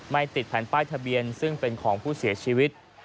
ติดแผ่นป้ายทะเบียนซึ่งเป็นของผู้เสียชีวิต